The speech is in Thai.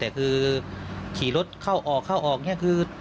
แต่คือขี่รถเข้าออกเข้าออกเนี่ยคือ